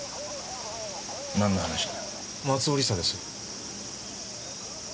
何の話だ？松尾理沙です。